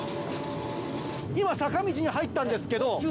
今坂道に入ったんですけど。